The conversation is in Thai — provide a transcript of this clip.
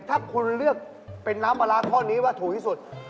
ถ้าคุณเลือกเป็นน้ำปลาร้าข้อนี้ว่าถูกที่สุด